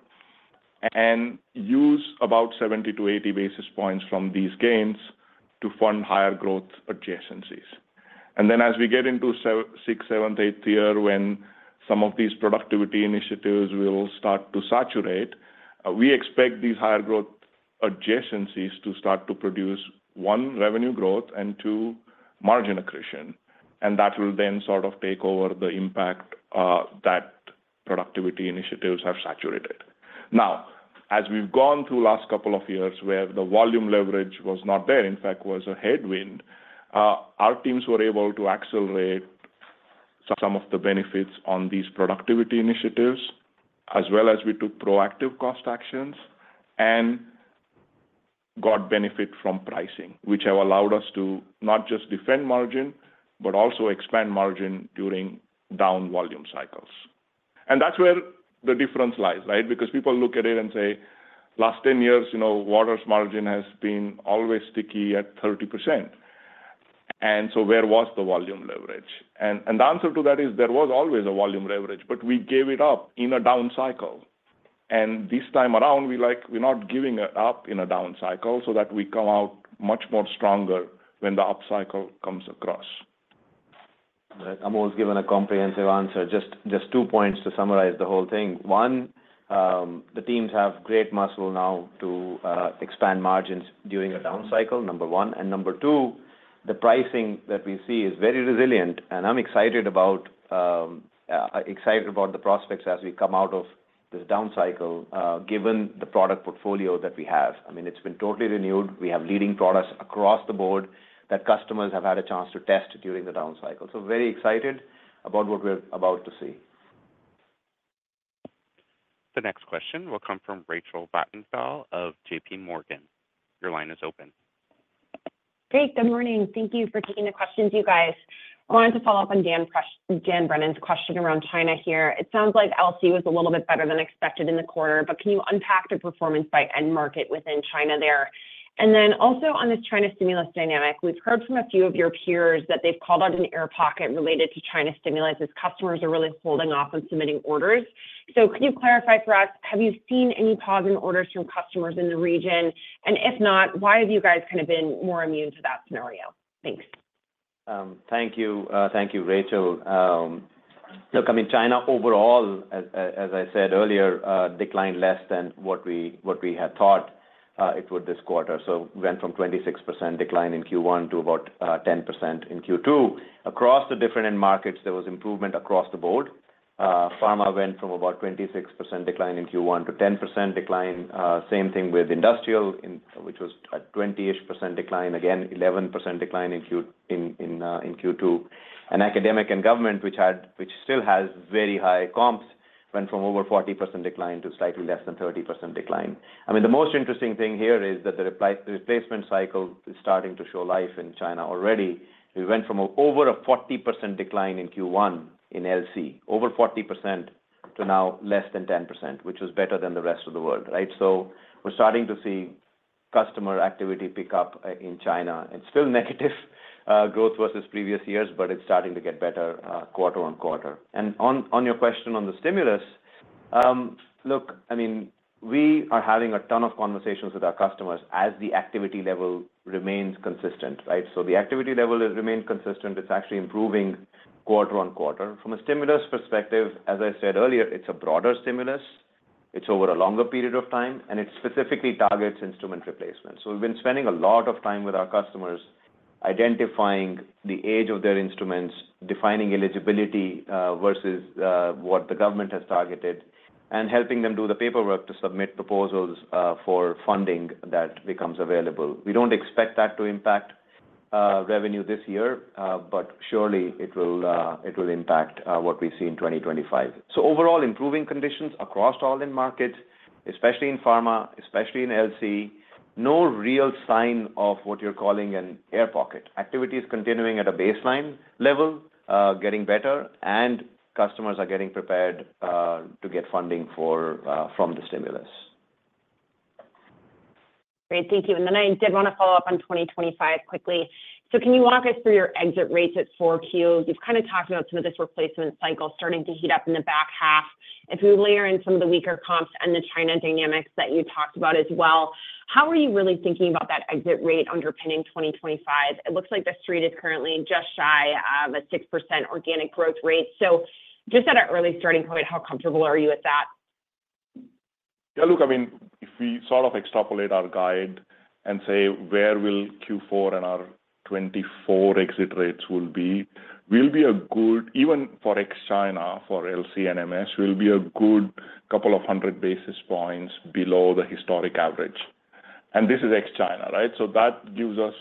Speaker 4: and use about 70-80 basis points from these gains to fund higher growth adjacencies. And then as we get into sixth, seventh, eighth year, when some of these productivity initiatives will start to saturate, we expect these higher growth adjacencies to start to produce, one, revenue growth and, two, margin accretion. That will then sort of take over the impact that productivity initiatives have saturated. Now, as we've gone through the last couple of years where the volume leverage was not there, in fact, was a headwind, our teams were able to accelerate some of the benefits on these productivity initiatives, as well as we took proactive cost actions and got benefit from pricing, which have allowed us to not just defend margin, but also expand margin during down volume cycles. And that's where the difference lies because people look at it and say, "Last 10 years, Waters' margin has been always sticky at 30%. And so where was the volume leverage?" And the answer to that is there was always a volume leverage, but we gave it up in a down cycle. This time around, we're not giving it up in a down cycle so that we come out much more stronger when the up cycle comes across.
Speaker 3: I'm always given a comprehensive answer. Just two points to summarize the whole thing. One, the teams have great muscle now to expand margins during a down cycle, number one. And number two, the pricing that we see is very resilient. And I'm excited about the prospects as we come out of this down cycle, given the product portfolio that we have. I mean, it's been totally renewed. We have leading products across the board that customers have had a chance to test during the down cycle. So very excited about what we're about to see.
Speaker 1: The next question will come from Rachel Vatnsdal of J.P. Morgan. Your line is open.
Speaker 9: Great. Good morning. Thank you for taking the questions, you guys. I wanted to follow up on Dan Brennan's question around China here. It sounds like LC was a little bit better than expected in the quarter, but can you unpack the performance by end market within China there? And then also on this China stimulus dynamic, we've heard from a few of your peers that they've called out an air pocket related to China stimulus as customers are really holding off on submitting orders. So could you clarify for us, have you seen any pause in orders from customers in the region? And if not, why have you guys kind of been more immune to that scenario? Thanks.
Speaker 3: Thank you. Thank you, Rachel. Look, I mean, China overall, as I said earlier, declined less than what we had thought it would this quarter. So we went from 26% decline in Q1 to about 10% in Q2. Across the different end markets, there was improvement across the board. Pharma went from about 26% decline in Q1 to 10% decline. Same thing with industrial, which was a 20-ish% decline. Again, 11% decline in Q2. And academic and government, which still has very high comps, went from over 40% decline to slightly less than 30% decline. I mean, the most interesting thing here is that the replacement cycle is starting to show life in China already. We went from over a 40% decline in Q1 in LC, over 40% to now less than 10%, which was better than the rest of the world. So we're starting to see customer activity pick up in China. It's still negative growth versus previous years, but it's starting to get better quarter-over-quarter. And on your question on the stimulus, look, I mean, we are having a ton of conversations with our customers as the activity level remains consistent. So the activity level has remained consistent. It's actually improving quarter-over-quarter. From a stimulus perspective, as I said earlier, it's a broader stimulus. It's over a longer period of time, and it specifically targets instrument replacement. So we've been spending a lot of time with our customers identifying the age of their instruments, defining eligibility versus what the government has targeted, and helping them do the paperwork to submit proposals for funding that becomes available. We don't expect that to impact revenue this year, but surely it will impact what we see in 2025. So overall, improving conditions across all end markets, especially in pharma, especially in LC. No real sign of what you're calling an air pocket. Activity is continuing at a baseline level, getting better, and customers are getting prepared to get funding from the stimulus.
Speaker 9: Great. Thank you. And then I did want to follow up on 2025 quickly. So can you walk us through your exit rates at 4Q? You've kind of talked about some of this replacement cycle starting to heat up in the back half. If we layer in some of the weaker comps and the China dynamics that you talked about as well, how are you really thinking about that exit rate underpinning 2025? It looks like the street is currently just shy of a 6% organic growth rate. So just at an early starting point, how comfortable are you with that?
Speaker 4: Yeah. Look, I mean, if we sort of extrapolate our guide and say where will Q4 and our 2024 exit rates will be, we'll be a good, even for ex-China, for LC and MS, we'll be a good couple of hundred basis points below the historic average. And this is ex-China. So that gives us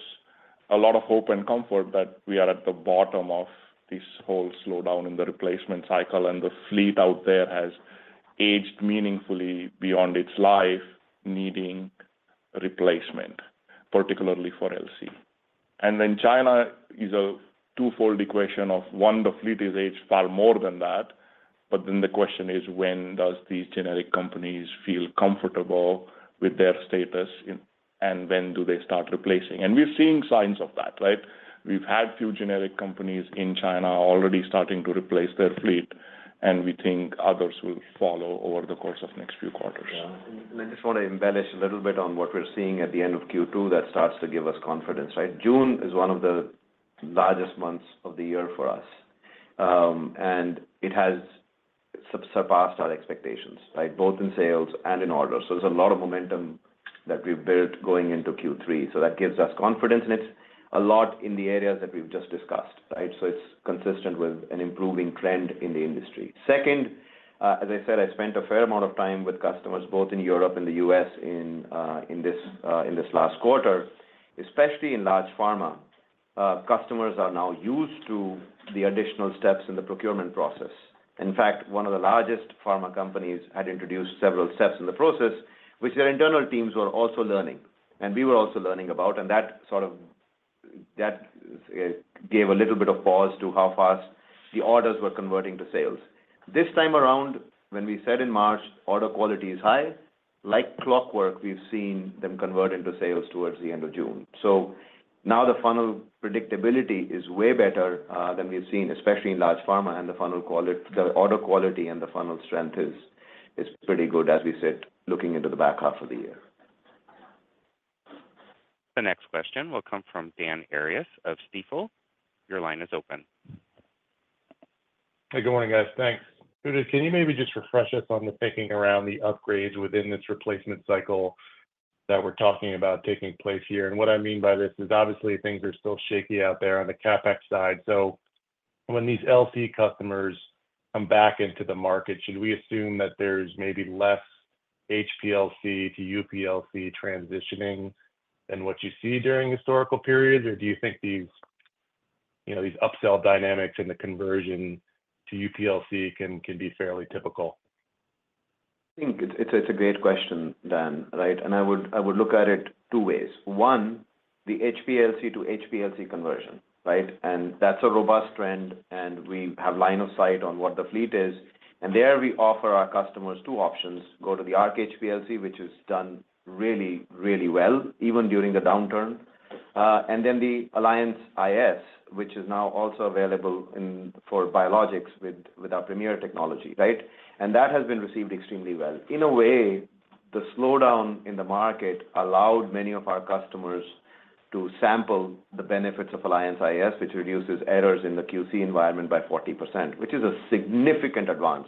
Speaker 4: a lot of hope and comfort that we are at the bottom of this whole slowdown in the replacement cycle, and the fleet out there has aged meaningfully beyond its life, needing replacement, particularly for LC. And then China is a twofold equation of, one, the fleet is aged far more than that, but then the question is, when do these generic companies feel comfortable with their status, and when do they start replacing? And we're seeing signs of that. We've had few generic companies in China already starting to replace their fleet, and we think others will follow over the course of the next few quarters.
Speaker 3: I just want to embellish a little bit on what we're seeing at the end of Q2 that starts to give us confidence. June is one of the largest months of the year for us, and it has surpassed our expectations, both in sales and in orders. There's a lot of momentum that we've built going into Q3. That gives us confidence, and it's a lot in the areas that we've just discussed. It's consistent with an improving trend in the industry. Second, as I said, I spent a fair amount of time with customers, both in Europe and the U.S., in this last quarter, especially in large pharma. Customers are now used to the additional steps in the procurement process. In fact, one of the largest pharma companies had introduced several steps in the process, which their internal teams were also learning, and we were also learning about. And that sort of gave a little bit of pause to how fast the orders were converting to sales. This time around, when we said in March, order quality is high, like clockwork, we've seen them convert into sales towards the end of June. So now the funnel predictability is way better than we've seen, especially in large pharma, and the order quality and the funnel strength is pretty good, as we said, looking into the back half of the year.
Speaker 1: The next question will come from Dan Arias of Stifel. Your line is open.
Speaker 10: Hey, good morning, guys. Thanks. Udit, can you maybe just refresh us on the thinking around the upgrades within this replacement cycle that we're talking about taking place here? What I mean by this is obviously things are still shaky out there on the CapEx side. When these LC customers come back into the market, should we assume that there's maybe less HPLC to UPLC transitioning than what you see during historical periods, or do you think these upsell dynamics and the conversion to UPLC can be fairly typical?
Speaker 3: I think it's a great question, Dan. And I would look at it two ways. One, the HPLC to HPLC conversion. And that's a robust trend, and we have line of sight on what the fleet is. And there we offer our customers two options: go to the Arc HPLC, which is done really, really well, even during the downturn, and then the Alliance iS, which is now also available for biologics with our Premier technology. And that has been received extremely well. In a way, the slowdown in the market allowed many of our customers to sample the benefits of Alliance iS, which reduces errors in the QC environment by 40%, which is a significant advance,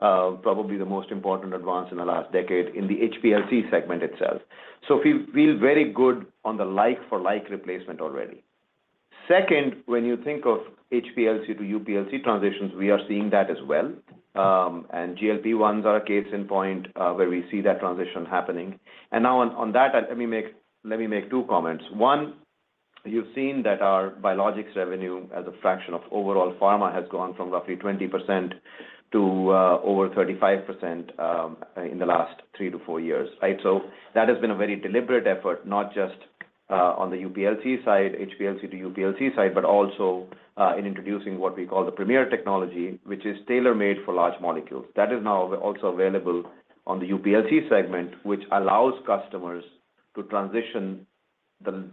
Speaker 3: probably the most important advance in the last decade in the HPLC segment itself. So we're very good on the like-for-like replacement already. Second, when you think of HPLC to UPLC transitions, we are seeing that as well. GLP-1s are a case in point where we see that transition happening. Now on that, let me make two comments. One, you've seen that our biologics revenue as a fraction of overall pharma has gone from roughly 20% to over 35% in the last 3-4 years. That has been a very deliberate effort, not just on the UPLC side, HPLC to UPLC side, but also in introducing what we call the Premier technology, which is tailor-made for large molecules. That is now also available on the UPLC segment, which allows customers to transition the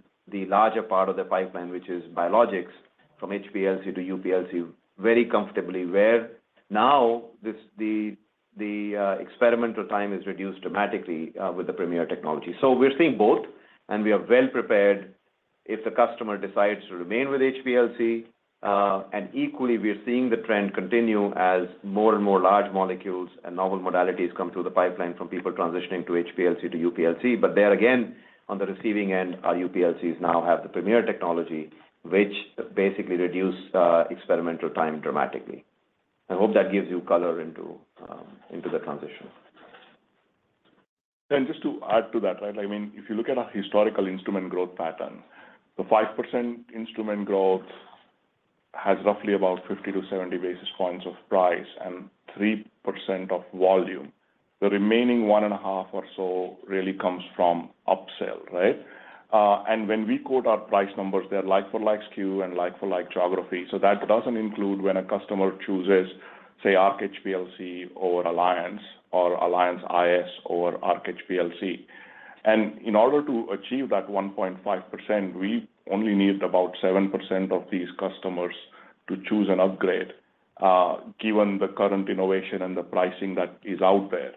Speaker 3: larger part of the pipeline, which is biologics, from HPLC to UPLC very comfortably, where now the experimental time is reduced dramatically with the Premier technology. So we're seeing both, and we are well prepared if the customer decides to remain with HPLC. And equally, we're seeing the trend continue as more and more large molecules and novel modalities come through the pipeline from people transitioning to HPLC to UPLC. But there again, on the receiving end, our UPLCs now have the Premier technology, which basically reduces experimental time dramatically. I hope that gives you color into the transition.
Speaker 4: And just to add to that, I mean, if you look at our historical instrument growth pattern, the 5% instrument growth has roughly about 50-70 basis points of price and 3% of volume. The remaining 1.5 or so really comes from upsell. And when we quote our price numbers, they're like-for-like SKU and like-for-like geography. So that doesn't include when a customer chooses, say, Arc HPLC over Alliance iS or Alliance iS over Arc HPLC. And in order to achieve that 1.5%, we only need about 7% of these customers to choose an upgrade, given the current innovation and the pricing that is out there.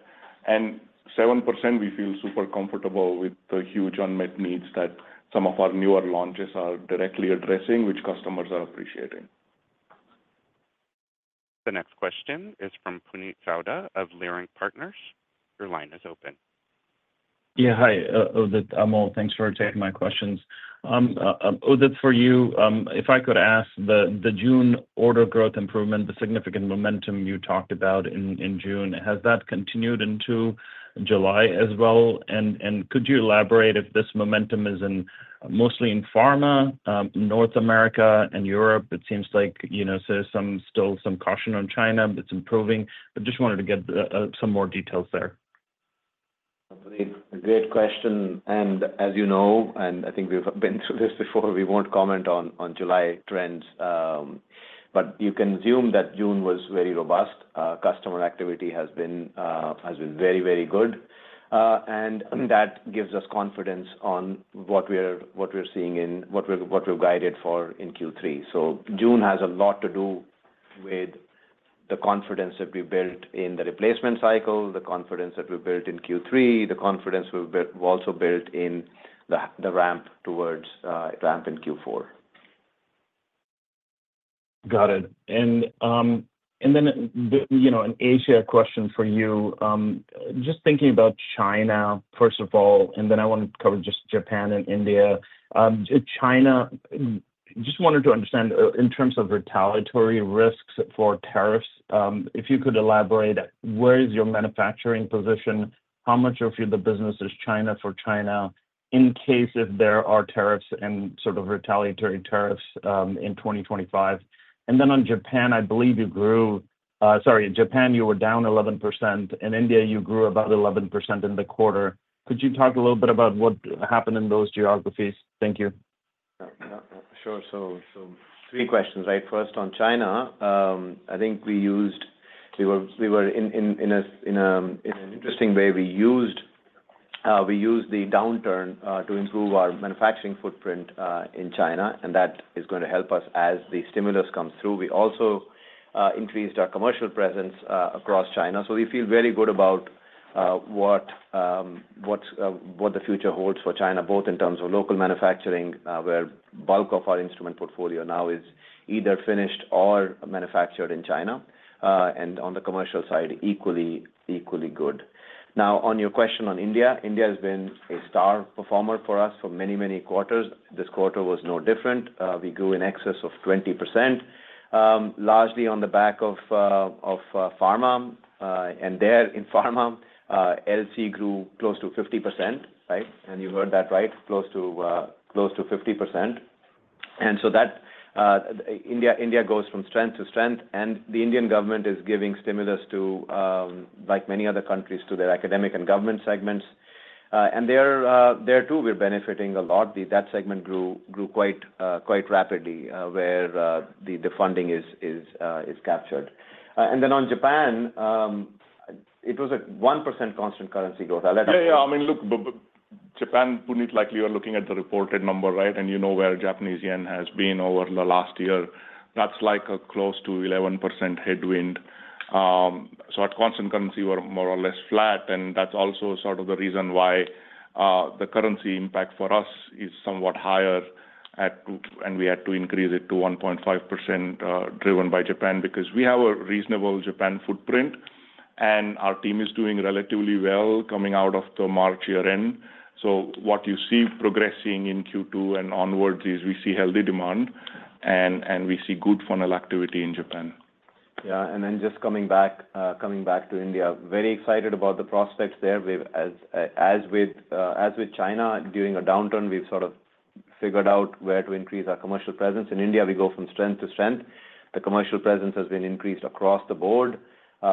Speaker 4: And 7%, we feel super comfortable with the huge unmet needs that some of our newer launches are directly addressing, which customers are appreciating.
Speaker 1: The next question is from Puneet Souda of Leerink Partners. Your line is open.
Speaker 11: Yeah. Hi, Udit, Amol. Thanks for taking my questions. Udit, for you, if I could ask, the June order growth improvement, the significant momentum you talked about in June, has that continued into July as well? And could you elaborate if this momentum is mostly in pharma, North America, and Europe? It seems like there's still some caution on China, but it's improving. I just wanted to get some more details there.
Speaker 3: A great question. As you know, and I think we've been through this before, we won't comment on July trends, but you can assume that June was very robust. Customer activity has been very, very good. That gives us confidence on what we're seeing and what we're guided for in Q3. June has a lot to do with the confidence that we built in the replacement cycle, the confidence that we built in Q3, the confidence we've also built in the ramp towards ramp in Q4.
Speaker 4: Got it. And then an Asia question for you. Just thinking about China, first of all, and then I want to cover just Japan and India. China, just wanted to understand in terms of retaliatory risks for tariffs, if you could elaborate, where is your manufacturing position? How much of your business is China for China in case if there are tariffs and sort of retaliatory tariffs in 2025? And then on Japan, I believe you grew sorry, in Japan, you were down 11%. In India, you grew about 11% in the quarter. Could you talk a little bit about what happened in those geographies? Thank you.
Speaker 3: Sure. Three questions. First, on China, I think we used we were in an interesting way. We used the downturn to improve our manufacturing footprint in China, and that is going to help us as the stimulus comes through. We also increased our commercial presence across China. We feel very good about what the future holds for China, both in terms of local manufacturing, where bulk of our instrument portfolio now is either finished or manufactured in China, and on the commercial side, equally good. Now, on your question on India, India has been a star performer for us for many, many quarters. This quarter was no different. We grew in excess of 20%, largely on the back of pharma. There in pharma, LC grew close to 50%. You heard that right, close to 50%. India goes from strength to strength, and the Indian government is giving stimulus to, like many other countries, to their academic and government segments. There too, we're benefiting a lot. That segment grew quite rapidly where the funding is captured. On Japan, it was 1% constant currency growth.
Speaker 4: Yeah. Yeah. I mean, look, Japan, Puneet, like you are looking at the reported number, and you know where Japanese yen has been over the last year. That's like a close to 11% headwind. So our constant currency were more or less flat, and that's also sort of the reason why the currency impact for us is somewhat higher, and we had to increase it to 1.5% driven by Japan because we have a reasonable Japan footprint, and our team is doing relatively well coming out of the March year-end. So what you see progressing in Q2 and onwards is we see healthy demand, and we see good funnel activity in Japan.
Speaker 3: Yeah. And then just coming back to India, very excited about the prospects there. As with China during a downturn, we've sort of figured out where to increase our commercial presence. In India, we go from strength to strength. The commercial presence has been increased across the board.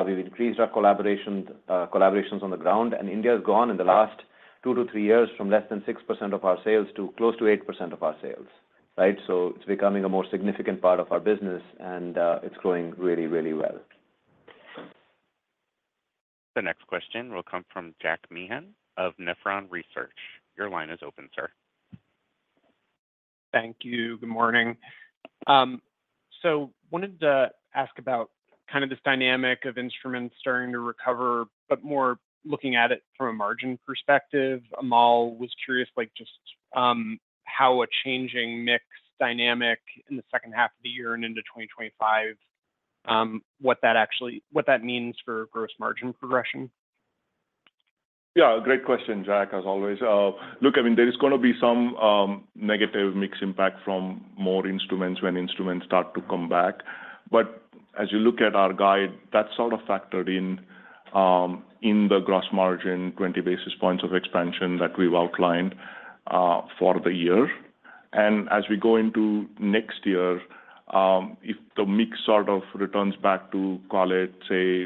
Speaker 3: We've increased our collaborations on the ground, and India has gone in the last two to three years from less than 6% of our sales to close to 8% of our sales. So it's becoming a more significant part of our business, and it's growing really, really well.
Speaker 1: The next question will come from Jack Meehan of Nephron Research. Your line is open, sir.
Speaker 12: Thank you. Good morning. So wanted to ask about kind of this dynamic of instruments starting to recover, but more looking at it from a margin perspective. Amol was curious just how a changing mix dynamic in the second half of the year and into 2025, what that means for gross margin progression?
Speaker 4: Yeah. Great question, Jack, as always. Look, I mean, there is going to be some negative mix impact from more instruments when instruments start to come back. But as you look at our guide, that's sort of factored in the gross margin, 20 basis points of expansion that we've outlined for the year. And as we go into next year, if the mix sort of returns back to, call it, say,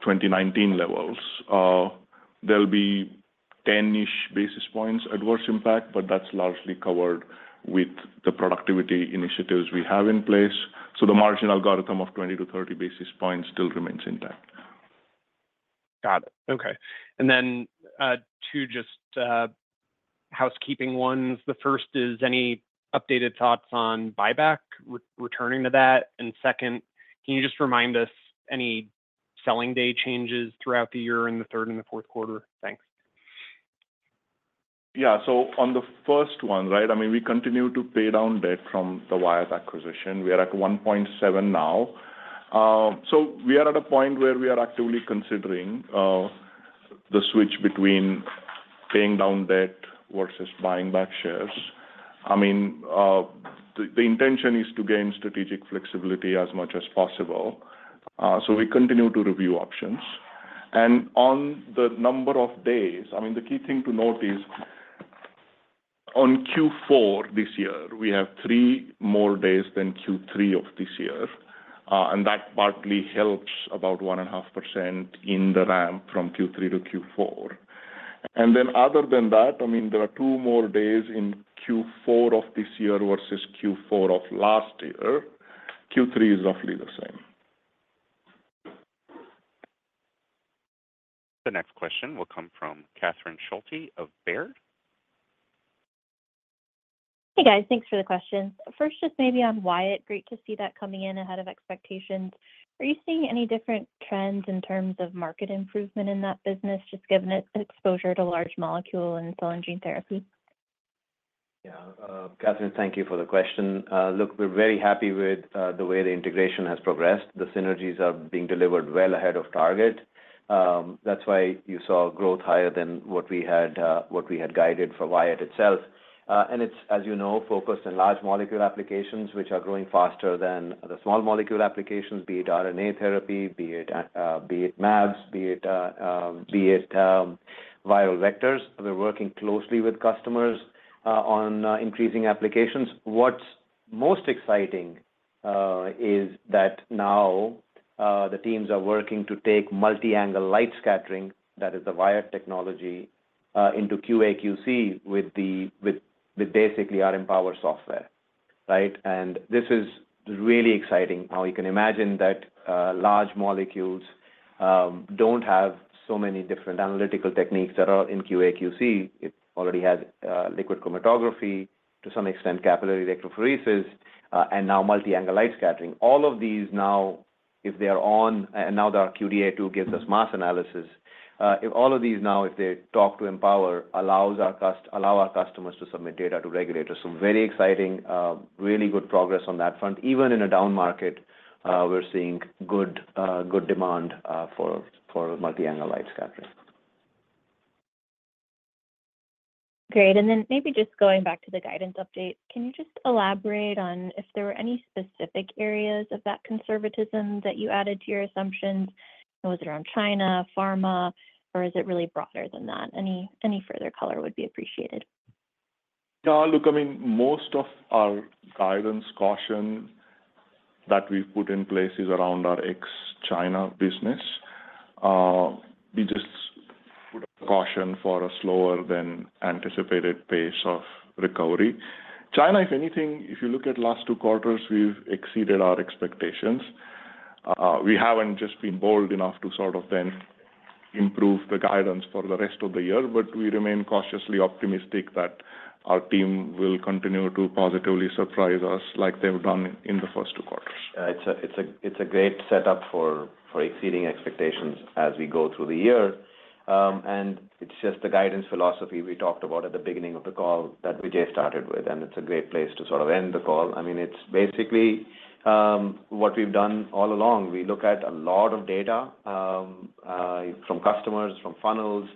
Speaker 4: 2019 levels, there'll be 10-ish basis points adverse impact, but that's largely covered with the productivity initiatives we have in place. So the margin algorithm of 20-30 basis points still remains intact.
Speaker 12: Got it. Okay. And then two just housekeeping ones. The first is any updated thoughts on buyback, returning to that. And second, can you just remind us any selling day changes throughout the year in the third and the fourth quarter? Thanks.
Speaker 4: Yeah. So on the first one, I mean, we continue to pay down debt from the Wyatt acquisition. We are at 1.7 now. So we are at a point where we are actively considering the switch between paying down debt versus buying back shares. I mean, the intention is to gain strategic flexibility as much as possible. So we continue to review options. And on the number of days, I mean, the key thing to note is on Q4 this year, we have 3 more days than Q3 of this year. And that partly helps about 1.5% in the ramp from Q3 to Q4. And then other than that, I mean, there are 2 more days in Q4 of this year versus Q4 of last year. Q3 is roughly the same.
Speaker 1: The next question will come from Catherine Schulte of Baird.
Speaker 3: Hey, guys. Thanks for the question. First, just maybe on Wyatt, great to see that coming in ahead of expectations. Are you seeing any different trends in terms of market improvement in that business, just given its exposure to large molecule and cell and gene therapy? Yeah. Catherine, thank you for the question. Look, we're very happy with the way the integration has progressed. The synergies are being delivered well ahead of target. That's why you saw growth higher than what we had guided for Wyatt itself. And it's, as you know, focused on large molecule applications, which are growing faster than the small molecule applications, be it RNA therapy, be it mAbs, be it viral vectors. We're working closely with customers on increasing applications. What's most exciting is that now the teams are working to take multi-angle light scattering, that is the Wyatt technology, into QA/QC with basically our Empower software. And this is really exciting. Now, you can imagine that large molecules don't have so many different analytical techniques that are in QA/QC. It already has liquid chromatography, to some extent, capillary electrophoresis, and now multi-angle light scattering. All of these now, if they are on, and now the QDa II gives us mass analysis. All of these now, if they talk to Empower, allow our customers to submit data to regulators. So very exciting, really good progress on that front. Even in a down market, we're seeing good demand for multi-angle light scattering. Great. And then maybe just going back to the guidance update, can you just elaborate on if there were any specific areas of that conservatism that you added to your assumptions? Was it around China, pharma, or is it really broader than that? Any further color would be appreciated.
Speaker 4: Yeah. Look, I mean, most of our guidance caution that we've put in place is around our ex-China business. We just put a caution for a slower than anticipated pace of recovery. China, if anything, if you look at last two quarters, we've exceeded our expectations. We haven't just been bold enough to sort of then improve the guidance for the rest of the year, but we remain cautiously optimistic that our team will continue to positively surprise us like they've done in the first two quarters.
Speaker 3: It's a great setup for exceeding expectations as we go through the year. It's just the guidance philosophy we talked about at the beginning of the call that we just started with, and it's a great place to sort of end the call. I mean, it's basically what we've done all along. We look at a lot of data from customers, from funnels.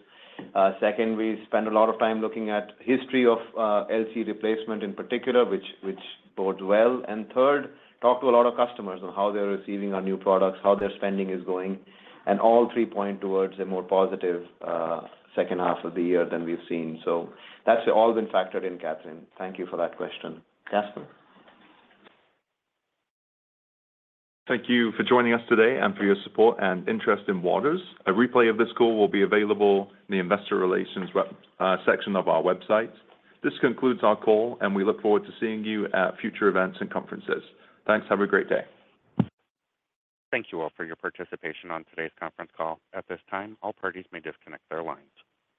Speaker 3: Second, we spend a lot of time looking at history of LC replacement in particular, which bodes well. And third, talk to a lot of customers on how they're receiving our new products, how their spending is going. And all three point towards a more positive second half of the year than we've seen. So that's all been factored in, Catherine. Thank you for that question.
Speaker 4: Thank you for joining us today and for your support and interest in Waters. A replay of this call will be available in the investor relations section of our website. This concludes our call, and we look forward to seeing you at future events and conferences. Thanks. Have a great day.
Speaker 1: Thank you all for your participation on today's conference call. At this time, all parties may disconnect their lines.